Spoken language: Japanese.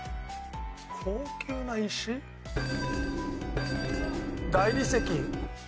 高級な石？大理石。